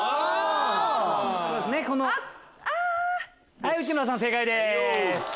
はい内村さん正解です。